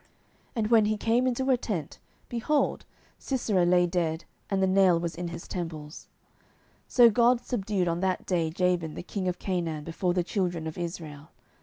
And when he came into her tent, behold, Sisera lay dead, and the nail was in his temples. 07:004:023 So God subdued on that day Jabin the king of Canaan before the children of Israel.